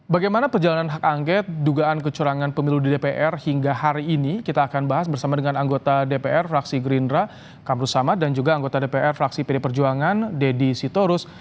bagaimana perjalanan hak angket dugaan kecurangan pemilu di dpr hingga hari ini kita akan bahas bersama dengan anggota dpr fraksi gerindra kamru samad dan juga anggota dpr fraksi pd perjuangan deddy sitorus